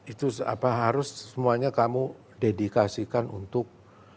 itu harus semuanya kamu dedikasikan untuk